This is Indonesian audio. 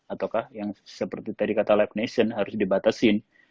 ataukah yang seperti tadi kata live nation harus dibatasin